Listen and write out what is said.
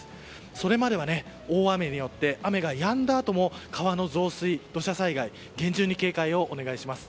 それまでは、大雨によって雨がやんだあとも川の増水、土砂災害厳重に警戒をお願いします。